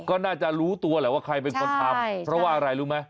ก็น่าจะรู้ตัวแหละว่าใครเป็นคนทำเพราะว่าอะไรรู้ไหม